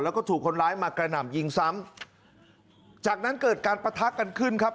แล้วก็ถูกคนร้ายมากระหน่ำยิงซ้ำจากนั้นเกิดการปะทะกันขึ้นครับ